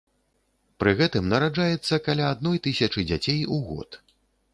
Пры гэтым нараджаецца каля адной тысячы дзяцей у год.